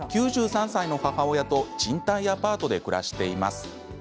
９３歳の母親と賃貸アパートで暮らしています。